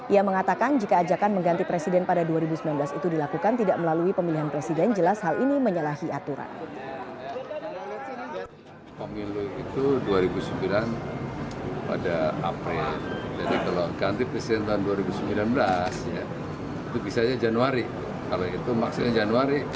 ia mengatakan jika ajakan mengganti presiden pada dua ribu sembilan belas itu dilakukan tidak melalui pemilihan presiden jelas hal ini menyalahi aturan